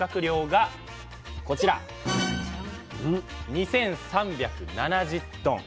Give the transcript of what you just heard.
２，３７０トン。